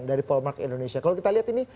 dari poll mark indonesia kalau kita lihat ini